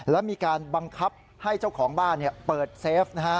และมีการบังคับให้เจ้าของบ้านเปิดเซฟนะฮะ